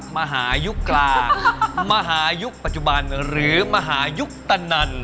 มหายุกตร์ปัจจุบันหรือมหายุกตร์ตะนั้น